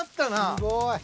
すごい。